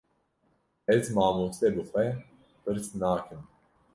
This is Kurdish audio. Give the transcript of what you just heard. Ez mamoste bi xwe pir nas nakim